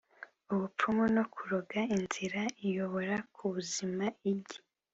ubupfumu no kuroga inzira iyobora ku buzima igi